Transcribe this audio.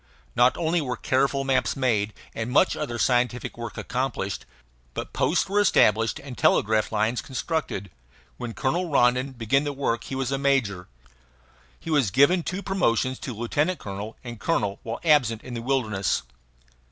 Not only were careful maps made and much other scientific work accomplished, but posts were established and telegraph lines constructed. When Colonel Rondon began the work he was a major. He was given two promotions, to lieutenant colonel and colonel, while absent in the wilderness.